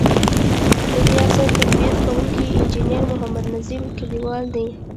ددې اثر ترتیب کوونکی انجنیر محمد نظیم کلیوال دی.